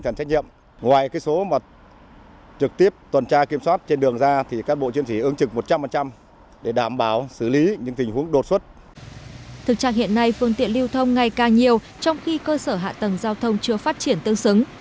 thực trạng hiện nay phương tiện lưu thông ngày càng nhiều trong khi cơ sở hạ tầng giao thông chưa phát triển tương xứng